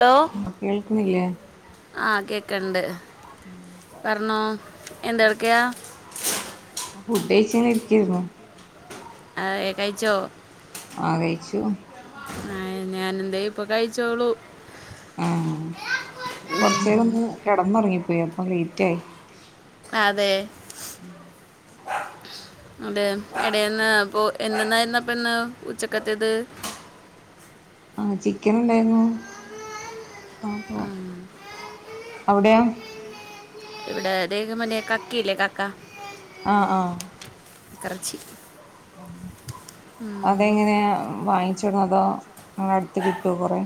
Hello കേൾക്കുന്നില്ലേ ആ കേക്കണ്ട് പറഞ്ഞോ എന്തടുക്കെയാ ഫുഡ് കഴിചിങ്ങനെ ഇരിക്കർ ന്നു അ എ കഴിച്ചോ ആ കഴിച്ചു ആ ഞാന് എന്താ ഇപ്പൊ കഴിചെള്ളൂ ആ കൊറച്ചു നേരം ഒന്ന് കിടന്നുറങ്ങിപ്പോയി അപ്പൊ ലേറ്റ് ആയി അതെ അതെ എടെയന്ന് അപ്പൊ എന്തെന്നായിരുന്നു അപ്പ ഇന്ന് ഉച്ചക്കത്തേത് ആ ചിക്കൻ ഉണ്ടായിരുന്നു അപ്പോ ഉം. അവിടെയാ ഇവിടെ ദേഹം മലെ കക്കല്ലേ കക്ക ആ ആ കറച്ചി അതെങ്ങനെയ വാങ്ങിച്ചിടോ അതോ നിങ്ങ അടുത്ത് കി ട്ടു കുറെ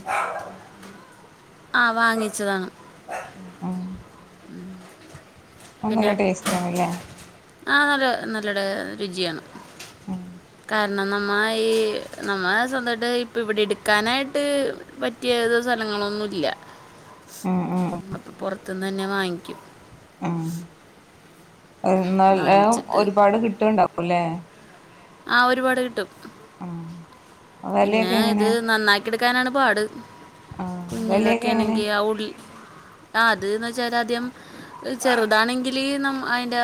ആ വാങ്ങിച്ചതാണ് ഉപ്പ അത് പിന്നെ നല്ല ടേസ്റ്റ് ആണല്ലേ ആ നല്ല നല്ല ടേ രുചിയാണ് ഉം കാ പി നമ്മള ഈ നമ്മള് സ്വന്തമായിട്ട് ഇപ്പ ഇവിടെ എടുക്കാനായിട്ട് പറ്റിയ ഏതോ സ്ഥലങ്ങ ങ്ങളൊന്നുമല്ല ആ ഉം ഉം പൊറത്തുന്ന് തന്നെ വാങ്ങിക്കും ആ നല്ല വാങ്ങിച്ചിട്ട് ഒരുപാട് കിട്ടുകണ്ടാവൂല്ലേ ആ ഒരുപാട് കിട്ടും ആ പിന്നെ ഇത് നന്നാക്കി എടുക്കാനാണ് പാട് ആഹ് വെലയൊക്കെ എങ്ങനെ കുഞ്ഞിതക്കെയണങ്കി ആഹ് ഉള്ളി ആഹ് അതന്ന് വെച്ചാൽ ആദ്യം ചെറുതാണെങ്കില് നം അയിന്റെ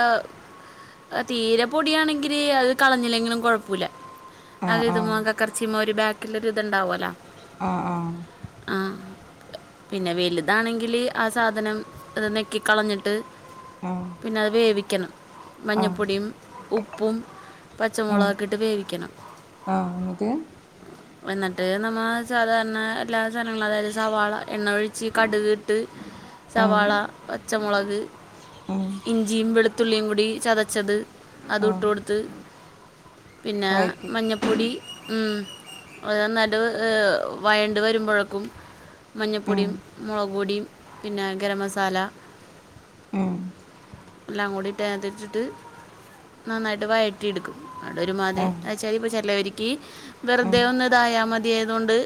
തീരെ പൊടിയാണെങ്കില് അത് കളഞ്ഞില്ലെങ്കിലും കൊഴപ്പുല്ല അത് ആഹ് ഇത് ആഹ് മോന്താ കർച്ചിമ്മ ഒരു ബാക്കിലോരു ഇത്ണ്ടാവോല ആഹ് ആഹ് പിന്നെ വലുതാണെങ്കില് ആ സാധനം ഇത് നെക്കിക്കളഞ്ഞിട്ട് ആഹ് പിന്നെ അത് വേവിക്കണം ആഹ് മഞ്ഞപ്പൊടിയും ഉപ്പും ഉം പച്ചമുളകക്കൊയിട്ട് വേവിക്കണം ആഹ് എന്നിട്ട് എന്നിട്ട് നമ്മ സാധാരണ എല്ലാ സാധനങ്ങളും അതായത് സവാള എണ്ണ ഒഴിച്ച് കടുക് ഇട്ട് ആഹ് സവാള പച്ചമുളക് ഉം ഇഞ്ചിയും വെളു തുള്ളിയും കൂടി ചതച്ചത് അത് ഇട്ട് ആഹ് കൊടുത്ത് പിന്നെ വയറ്റി മഞ്ഞപ്പൊടി മ് അത് നന്നായിട്ട് വയണ്ട് വരുമ്പോഴേക്കും ഉം മഞ്ഞപ്പൊടിയും മുളക് പൊടിയും പിന്നെ ഗരമസാല ഉം എല്ലാം കൂടി ഇട്ട് അയ്നാത്തിട്ടിട്ട് നന്നായിട്ട് വഴറ്റി എടുക്കും അത് ഒരുമാതിരി ആഹ് എന്നച്ചാല് ഇപ്പ ചിലോരിക്ക് ഉം വെറുതെ ഒന്ന് ഇതായ മതിയയത് കൊണ്ട്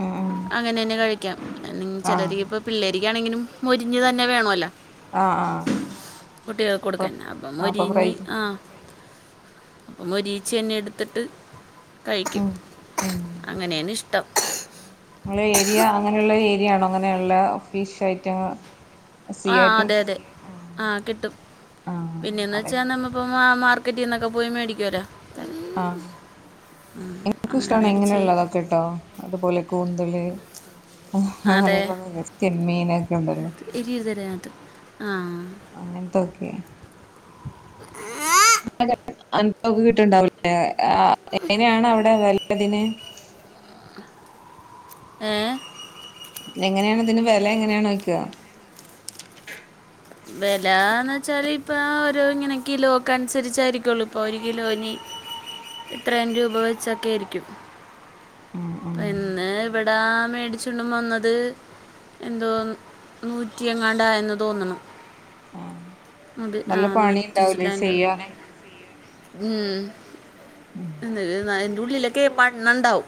ഉം ഉം അങ്ങനെ തന്നെ കഴിക്കാം അല്ലെങ്കി ആഹ് ചിലൊരിക്ക് ഇപ്പ പിള്ളേർ ക്കാണെങ്കിലും മോരിഞ്ഞ് തന്നെ വേണോല്ലോ ആഹ് ആഹ് കുട്ടികൾ അപ്പ കൊടുക്കന്നെ അപ്പം അപ്പൊ ഫ്രൈ മൊരിഞ്ഞ് ആഹ് അപ്പം മോരിച്ച് തന്നെ എടുത്തിട്ട് കഴിക്കും ഉം ഉം അങ്ങനെയാണ് ഇഷ്ടം ഏരിയ അങ്ങനെയുള്ള ഏരിയാണോ അങ്ങനെയുള്ള ഫിഷ് ഐറ്റങ്ങൾ ആഹ് അതെ അതെ ആഹ് കിട്ടും ആഹ് പിന്നെന്ന് അതെ വെച്ചാൽ നമ്മപ്പം ആഹ് മാർക്കറ്റിൽ നിന്നൊക്കെ പോയി മേടിക്കുവല്ലോ ആഹ് എനിക്കും അങ്ങനെ ഇഷ്ടവാണ് മേടിച്ച് എങ്ങനെയുള്ളതൊക്കേട്ടോ അതുപോലെ കൂന്തല് അതെ അങ്ങനെയുള്ളത് ചെമ്മിനൊക്കെ ഉണ്ടല്ലോ ത്ത് അങ്ങനത്തൊക്കെ അനക്കക്കെ കിട്ടണ്ടാവുലേ ആഹ് എങ്ങനെയാണ് അവിടെ വലുതതിന് ഏഹ് എങ്ങനെയാണ് ഇതിന് വില എങ്ങനെയണ് വയ്ക്കുക വിലന്ന് വെച്ചാല് ഇപ്പ ഓരോ ഇങ്ങനെ കിലോ ഒക്കെ അനുസരിച്ചായിരിക്കുള്ളൂ ഇപ്പൊ ഒരു കിലോന് ഇത്രേം രൂപ വെച്ചൊക്കെ ആയിരിക്കും ഉം ഉം പിന്നെ ഇവിടാ മേടിച്ചുണ്ട് വന്നത് എന്തോ നൂറ്റിയങ്ങാണ്ട് ആയെന്ന് തോന്ന്ണ് ആഹ് അതെ നല്ല ആഹ് പണി ഉണ്ടാവൂലേ നൂറ്റിച്ചില്ലന്റ് ചെയ്യാന് ഉം എ അയ്ന്റുഉള്ളിലൊക്കെ മണ്ണുണ്ടാവും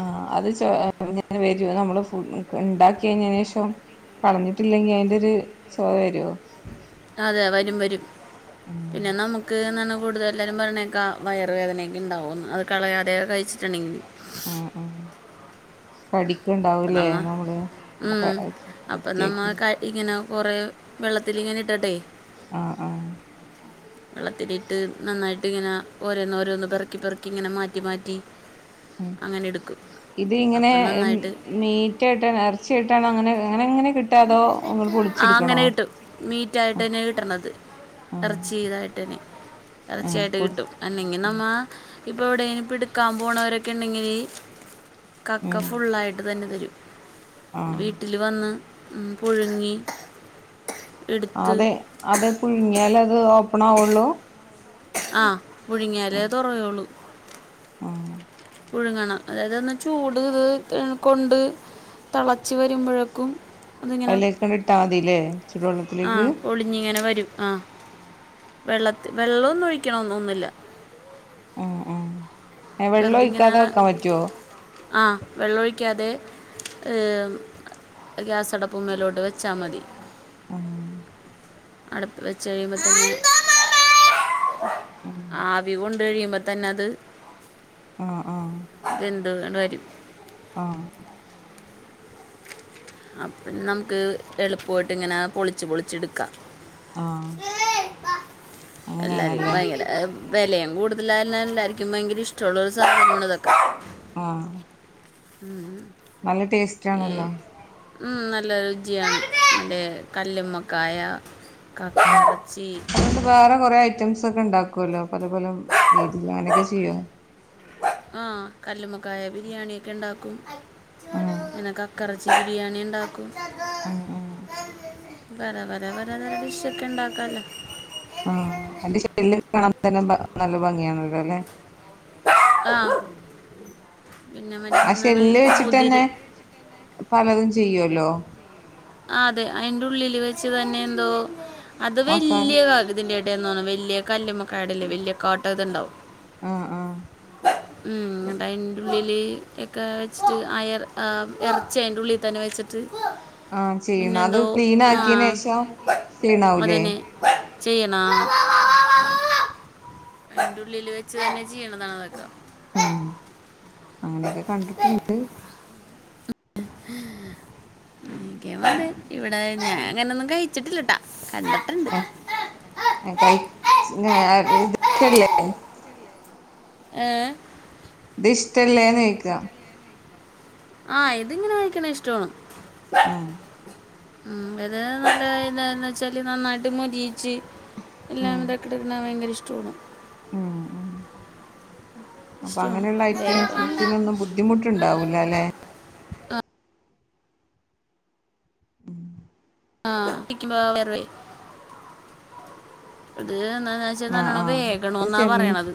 ആഹ് അത് ചോ ഇങ്ങനെ വരൂ നമ്മള് ഫു ഉണ്ടാക്കി കഴിഞ്ഞെന് ശേഷം കളഞ്ഞിട്ടില്ലെങ്കി അയിന്റെ ഒരു ചോവ വരുവോ അതെ വരും വരും ഉം പിന്നെ നമുക്ക് എന്നണ് കൂടുതൽ എല്ലരും പറയണ വയറ വേദനയൊക്കെ ഉണ്ടാവുന്ന് അത് കളയാതെയെ കഴിച്ചിട്ടുണ്ടെങ്കിൽ ഉം ഉം കടി അപ്പം ക്കെണ്ടാവൂലേ നമ്മൾ നമ്മള് വൃത്തിയാക്കി കൊറെ വെള്ളത്തിലിങ്ങനെ ഇട്ടട്ടെ ആഹ് ആഹ് വെള്ളത്തിലിട്ട് നന്നായിട്ട് ഇങ്ങനെ ഓരോന്ന് ഓരോന്ന് പിറക്കി പിറക്കി ഇങ്ങനെ മാറ്റി മാറ്റി ഉം അങ്ങനെ എടുക്കും ഇത് ഇങ്ങനെ അപ്പം നന്നായിട്ട് മീറ്റായിട്ടാ ഇറച്ചിായിട്ടാണോ അങ്ങനെ അങ്ങനങ്ങനെ ആ അങ്ങനെ കിട്ടും മീറ്റ ആയിട്ട്ന്നെ കിട്ടണത് ഇറച്ച ആഹ് ചെയ്തായിട്ട് തന്നെ ഇറർച്ചയായിട്ട് പൊളി കിട്ടും അന്നെങ്കി നമ്മ ഇപ്പോൾ എവിടെും ഇപ്പോൾ എടുക്കാൻ പോകണവരൊക്കെ ഉണ്ടെങ്കിൽ കക്ക ഫുള്ളായിട്ട് തന്നെ തരും ആഹ് വീട്ടില് വന്ന് ഉ പുഴുങ്ങി എടുത്ത് അതെ അതെ പുഴുങ്ങിയാല അത് ഓപ്പൺ ആുള്ളൂ ആ പുഴുങ്ങിയാലേ തുറയുള്ളൂ ആ പുഴുങ്ങണം അതായത് ഒന്ന് ചൂട് കൊണ്ട് തെളച്ച് വരുമ്പഴേക്കും. അതിങ്ങനെ അതിലേക്കണ്ട് ഇട്ടാ മതില്ലേ ചൂടുവെള്ളത്തിലേക്ക് ആഹ് പൊളിഞ്ഞ ഇങ്ങനെ വരും ആഹ് വെള്ളത്തി വെള്ളമൊന്നും ഒഴിക്കണൊന്നുന്നുല്ല ഉം ഉം വെള്ളം ഇങ്ങനെ ഒഴിക്കാതെ വെക്കാൻ പറ്റുവോ. ആ വെള്ളമൊഴിക്കാതെ ഈമ് ഗ്യാസ അടപ്പും മേലോട്ട് വെച്ചാ മതി അം അടപ്പ് വെച്ച് കഴിയുമ്പോൾ തന്നെ ആവി കൊണ്ട് കഴിയുമ്പോ തന്നെ അത് ആ ആ എ വേണ്ട വരും ആ അപ്പന്ന് നമുക്ക് എളുപ്പമായിട്ട് ഇങ്ങനെ പൊളിച്ച് പൊളിച്ച് എടുക്ക ആ എല്ലാർക്കും ഭയങ്കര വെലയും കൂടുതല [unintelligible] നാൽ എല്ലാരിക്കും ഭയങ്കര ഇഷ്ടമുള്ളൊരു സാധനമാണ് ഇതൊക്കെ. ആ ഉം നല്ല ടെസ്റ്റാണല്ലോ ഉം നല്ല രുചിയാണ് അതിന്റെ കല്ലുമ്മക്കായ കക്ക ആഹ് ഇറച്ചി അതുകൊണ്ട് വേറെ കൊറെ ഐറ്റംസ് ഒക്കെ ഉണ്ടാക്കുവല്ലോ പല പല രീതിൽ അങ്ങനെയൊക്കെ ചെയ്യോ ആ കല്ലുമ്മക്കായ ബിരിയാണിയ ഒക്കെണ്ടാക്കും ആഹ് പിന്നെ കക്കറച് ബിരിയാണി ഉണ്ടാക്കും ആഹ് ആഹ് വര വരാ വരാ ഡിഷ്‌ ഒക്കെ ഉണ്ടാക്കാല്ലോ ആ എന്റെ ശല്യ കാണാൻ തന്നെ ന നല്ല ഭംഗിയാണല്ലോ അല്ലെ ആ പിന്നെ മറ്റേ ആ എന്താണ് ഷെല്ല് വെച്ചിട്ട്ന്നെ മുതിരി പലതും ചെയ്യുവല്ലോ ആ അതെ അയ്ന്റെ ഉള്ളില് വെച്ച് തന്നെ എന്തോ അത് മസാല വലിയ ക ഇതിന്റെ എനോന്നുന്നു വല്യ കല്ലുമ്മ ക്കാടെല്ലേ വല്ല്യകാട്ടോ ഇതുണ്ടാവും അ ആ ഉം ന്നട്ട് അയ്ന്റുള്ളിൽ എക്ക വെച്ചിട്ട് അ ഇറച്ചി അയിന്റുള്ളീ തന്നെ വച്ചിട്ട് ആഹ് ചെയ്യണം അത് പിന്നെന്തോ ക്ലീൻ ആ ആക്കിയന് ശേഷം അതന്നെ ചെയ്യണോ ആ അയ്ന്റുള്ളില് വെച്ച് തന്നെ ചെയ്യണതാണ് അതൊക്കെ. ഉം അങ്ങനെയൊക്കെ കണ്ടിട്ടുണ്ട് എനിക്കപാട് ഇവിടെ ഞാൻ അങ്ങനെയൊന്നും കഴിച്ചിട്ടില്ലട്ടാ. ആ കൈഷല്ലേ ഏ ഇ തിഷ്ടല്ലേന്ന് നക്കുക ആ ഇതിങ്ങനെ വായിക്ക്ണെ ഇഷ്ടമാണ് ആ ഉം വത നല്ല ഇത വെച്ചാല് നന്നായിട്ട് മൊരിയിച്ച് ഉം എല്ലാം ഇതൊക്കെക്കണൻ ഭയങ്കര ഇഷ്ടമാണ് ഉം ഉം അപ്പൊ ഇഷ്ടമാണ് അങ്ങനെയുള്ള വേറെ ഐറ്റംസത്തിനൊന്നും ബുദ്ധിമുട്ടുണ്ടാവൂല അല്ലെ ആ [unintelligible] അത് എന്ന വച്ചാ ആഹ് നല്ലോണം ആഹ് വേഗണം അത് എന്നാ ചെമ്മീ പറയണത്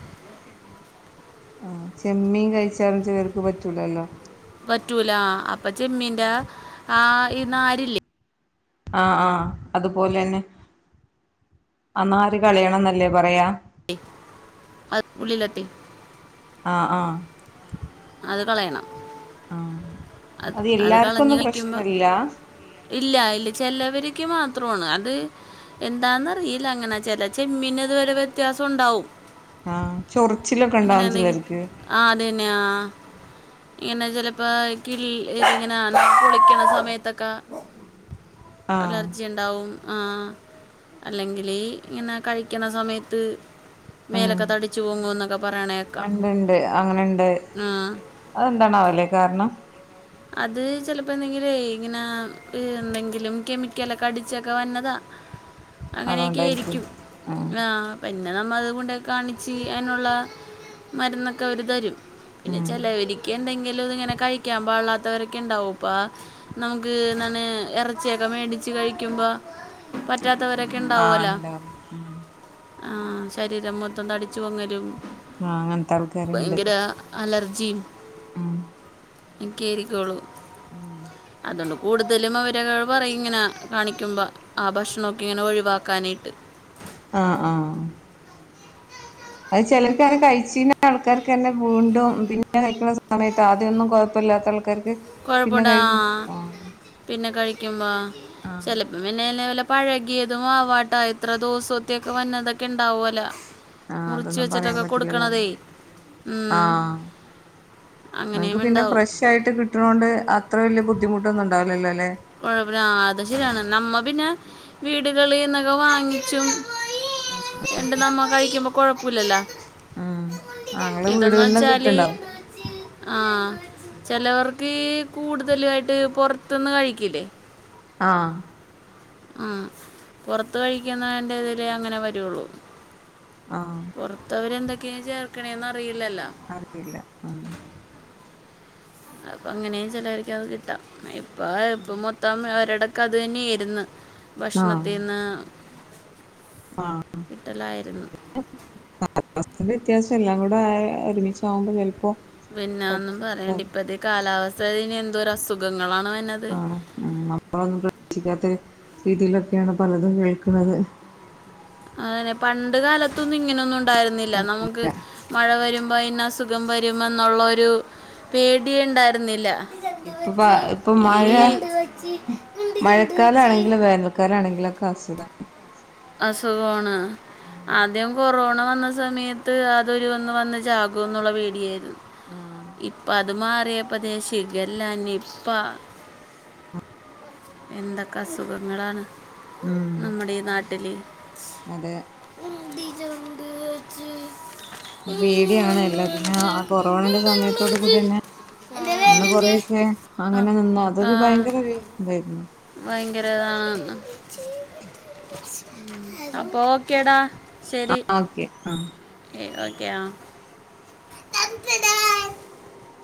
ആഹ് ചെമ്മീൻ കഴിച്ചാലും ചെലോൽക്ക് പറ്റൂലല്ലോ പറ്റൂല അപ്പൊ ചെമ്മീന്റെ ആ നാരില്ലേ ആ ആ അതുപോലെന്നെ അന്നാര് കളയണം എന്നല്ലേ പറയാ അ ഉള്ളിലെത്തെ ആ ആ അത് കളയണം ആ അത് എല്ലാർക്കൊന്നും പ്രശ്നല്ല ഇല്ല ഇല്ല ചല്ലവർക്ക് മാത്രം മാത്രമാണ് അത് എന്താന്നറിയില്ല അങ്ങനാ ച ചെമ്മീകറി വരെ വ്യത്യാസം ഉണ്ടാവും ആ ചൊറിച്ചിലൊക്കെ ഇങ്ങനെ ഉണ്ടവും എന്തെങ്കിലും ചിലർക്ക് ആ അത് തന്നെ ആ ഇങ്ങനെ ചെലപ്പോ ക ഇങ്ങനെ കുടിക്കണ സമയത്തൊക്കെ ആഹ് അലർജി ഉണ്ടാവും ആ അല്ലെങ്കിലീ ഇങ്ങനെ കഴിക്കണ സമയത്ത് ഉം മേലൊക്കെ തടിച്ചു പോങ്ങൂ എന്നൊക്കെ പറയണേക്കാ ഇണ്ട്ണ്ട് ആ എന്താണാവല്ലേ കാരണം അത് ചിലപ്പോ എന്തെങ്കിലും ഇങ്ങനെ എന്തെങ്കിലും കെമിക്കലൊക്കെ അടിച്ചൊക്കെ വന്നതാ അതുകൊണ്ടായിരിക്കും അങ്ങനെയൊക്കൊയിയിരിക്കും ആഹ് ആ പിന്നെ നമ്മ അതുകണ്ട് കാണിച്ച് അതിനുള്ള മരുന്നൊക്കെ അവർ തരും പിന്നെ ഉം ചെലവരിക്ക് എന്തെങ്കിലും ഇങ്ങനെ കഴിക്കാൻ പാള്ളാ ഇത്തവരൊക്കെ ഉണ്ടാവുംപ്പാ നമുക്ക് എന്താണ് ഇറച്ചിയൊക്കെ മേടിച്ച് കഴിക്കുമ്പോ പറ്റാത്തവരൊക്കെ ആഹ് ഇണ്ടാവല ഉണ്ടാവും ഉം ആ ശരീരം മൊത്തം തടിച്ചു പൊങ്ങരും ആഹ് അങ്ങനത്തെ ആൾക്കാരുണ്ട് ഭയങ്കര അലർജി ജിം എനി കേരിക്കോളൂ ഉം അതുകൊണ്ട് കൂടുതലും അവര പറ ഇങ്ങനെ കാണിക്കുമ്പോൾ ആ ഭക്ഷണൊക്കെ ഇങ്ങനെ ഒഴിവാക്കാനായിട്ട് ആ ആ അത് ചിലർക്കകഴിച്ച ആൾക്കാർക്കന്നെ വീണ്ടും പിന്നെ കഴിക്കണ സമയത്ത് ആദ്യൊന്നുംഴില്ല ഇല്ലാ ആൾക്കാർക്ക് പിന്നെ കുഴപ്പമടാ കഴിക്കും ആഹ് പിന്നെ കഴിക്കുമ്പോ ആഹ് ചിലപ്പോ പിന്നല പഴകിയതും ആവാട്ടാ ഇത്ര ദോസോ ഒത്തിയൊക്കെ വന്നതൊക്കെ ഉണ്ടാവുമ അല്ല ആഹ് മുറിച്ച അതൊന്നും പറയാൻ വെച്ചിട്ടൊക്കെ പറ്റില്ലല്ലോ അല്ലേ കൊടുക്കണതേ ഉം നങ്ങക്ക് അങ്ങനെയും പിന്നെ ഉണ്ടാവും ഫ്രഷ ആയിട്ട് കിട്ടണൊണ്ട് അത്ര വല്യ ബുദ്ധിമുട്ടൊന്നും ഉണ്ടാവില്ലല്ലോ അല്ലെ കൊഴപ്പില്ല അത് ശരിയാണ്. നമ്മ പിന്നെ വീടുകളിന്നൊക്കെ വാങ്ങിച്ചും എണ്ട് നമ്മ കഴിക്കുമ്പോ കൊഴപ്പില്ലല്ലോ ഉം ആഹ് ഇങ്ങളെ ഇതന്ന് വീടുകളിൽന്ന് വെച്ചാല് കിട്ടുണ്ടാവും ആഹ് ചിലവർക്ക് ക്ക് കൂടുതലും ആയിട്ട് പുറത്തന്ന് കഴിക്കലേ ആഹ് ആ പുറത്ത് കഴിക്കുന്നതിന്റെതിലേ അങ്ങനെ വരുവുള്ളു. ആാാ ഇപ്പോ അവരെന്തൊക്കെയാണ് ചേർക്കണേന്നറി അറിയില്ല. അപ്പൊ അങ്ങനെയും ചിലര്ക്ക്‌ അത് കിട്ടാം. ഇപ്പ ഇപ്പ മൊത്തം ഒര്ടത്ത് അത് തന്നെയായിരുന്നു ഭക്ഷണത്തിന്ന് ങാ [unintelligible] [unintelligible] വ്യത്യാസമില്ല അവിടെ ഒരുമിച്ച് ആകുമ്പോ പിന്നെ ഒന്നും പറയണ്ട ഇപ്പ ദേ കാലാവസ്ഥന്ന് എന്തോരം അസുഖങ്ങ ആണ്. മ്മ് നമ്മളൊന്നും പ്രതീക്ഷിക്കാത്ത രീതിയിലൊക്കെയാണ് പലതും കേൾക്കുന്നത്. അതന്നെ പണ്ട് കാലത്തൊന്നും ഇങ്ങനെയൊന്നും ഉണ്ടായിരുന്നില്ല. നമുക്ക് മഴ വരു ന്ന അസുഖം വരുമെന്നുള്ളൊരു പേടി ഇണ്ടായിരുന്നില്ല. [unintelligible] ഇപ്പൊ മഴ. വെച്ചി നിന്റെ ചെണ്ട് മഴക്കാലം വെച്ചി ആണെങ്കിലും വേനൽക്കാലം ആണെങ്കിലും [unintelligible] അസുഖവാണ്. ആദ്യം കൊറോണ വന്ന സമയത്ത് അതൊരു വന്ന് വന്ന ചക്കൊന്നു എന്നുള്ള പേടിയായിരുന്നു. ആഹ് ഇപ്പൊ അതുമാറി യപ്പോൾ ഷിഗല്ല, നിപ്പ എന്തൊക്കെ അസുഖങ്ങളാണ്. ഉം നമ്മുടെ ഈ നാട്ടില്. അതെ [unintelligible] പേടിയാണല്ല പിന്നെ ആ കൊറോണന്റെ സമയത്തോട് കൂടി തന്നെ എന്റെ അന്ന് പേരെന്ത് കൊറൊക്കെ ആ, അങ്ങനെ നിന്ന ആ, അതൊരു ഭയങ്കര ഒരു ഇതായിരുന്നു. ഭയങ്കര ആന്ന്. അപ്പൊ ഓക്കേടാ ശെരി. ഓക്കെ ആഹ് [unintelligible] [unintelligible]